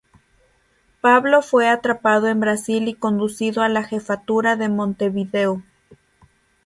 Pablo fue atrapado en Brasil y conducido a la Jefatura de Montevideo.